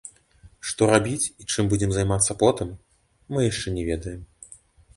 Што рабіць і чым будзем займацца потым, мы яшчэ не ведаем.